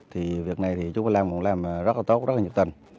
thì việc này chú ma lam cũng làm rất là tốt rất là nhịp tình